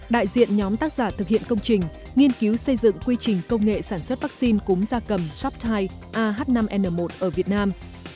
đại diện nhóm tác giả thực hiện công trình nghiên cứu xây dựng quy trình công nghệ sản xuất vaccine cúm da cầm shoptie ah năm n một ở việt nam